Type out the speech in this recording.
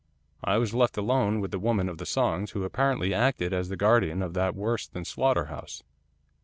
I was left alone with the woman of the songs, who apparently acted as the guardian of that worse than slaughterhouse.